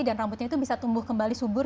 dan rambutnya itu bisa tumbuh kembali subuh